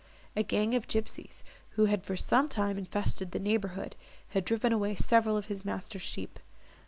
A gang of gipsies, who had for some time infested the neighbourhood, had driven away several of his master's sheep.